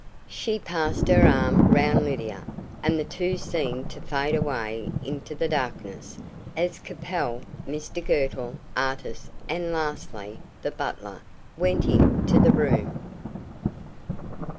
She passed her arm round Lydia, and the two seemed to fade away into the darkness, as Capel, Mr Girtle, Artis, and, lastly, the butler went into the room.